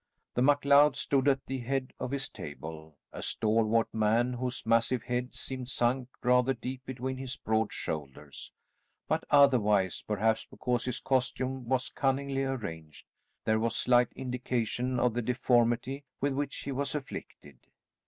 The MacLeod stood at the head of his table, a stalwart man whose massive head seemed sunk rather deep between his broad shoulders, but otherwise, perhaps because his costume was cunningly arranged, there was slight indication of the deformity with which he was afflicted.